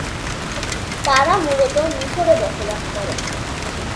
তারা মূলত মিশরে বসবাস করে।